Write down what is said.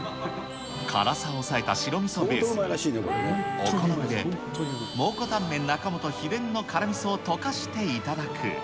辛さを抑えた白みそベースに、お好みで蒙古タンメン中本秘伝の辛みそを溶かして頂く。